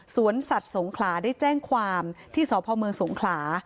สวนสัตว์สงขลาได้แจ้งความที่สพเมืองสงขลา